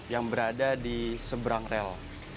yang berada di seberang rel